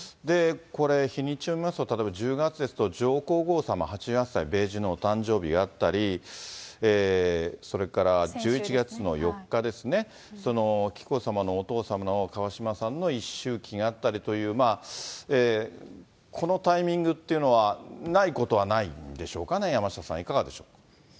これ、日にちを見ますと、例えば１０月ですと、上皇后さま８８歳・米寿の誕生日があったり、それから１１月の４日ですね、紀子さまのお父様の川嶋さんの１周忌があったりと、このタイミングっていうのはないことはないんでしょうかね、山下そうですね。